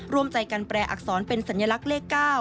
ร่วมใจกันแปลอักษรเป็นสัญลักษณ์เลข๙